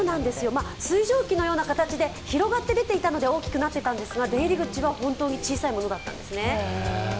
水蒸気のような形で広がって出ていたので大きくなっていたのですが出入り口は本当に小さいものだったんですね。